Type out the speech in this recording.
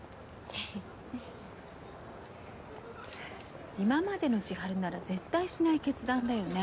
ははっ今までの千晴なら絶対しない決断だよね。